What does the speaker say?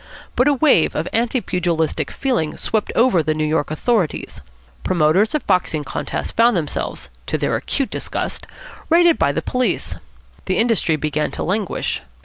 But a wave of anti pugilistic feeling swept over the New York authorities. Promoters of boxing contests found themselves, to their acute disgust, raided by the police. The industry began to languish.